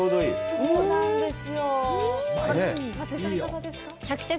そうなんです。